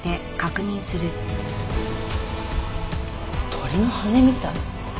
鳥の羽根みたい。